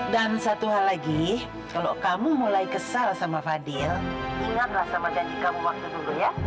dan satu hal lagi kalau kamu mulai kesal sama fadhil ingatlah sama janji kamu waktu dulu ya